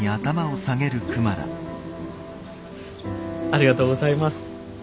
ありがとうございます。